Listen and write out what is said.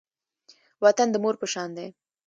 وطن د مور په شان دی